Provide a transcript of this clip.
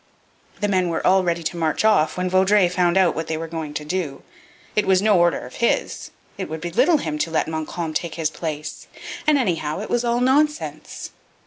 The men were all ready to march off when Vaudreuil found out what they were going to do. It was no order of his! It would belittle him to let Montcalm take his place! And, anyhow, it was all nonsense!